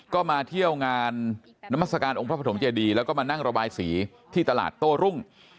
ก็มาเที่ยวงานนามัศกาลองค์พระปฐมเจดีแล้วก็มานั่งระบายสีที่ตลาดโต้รุ่ง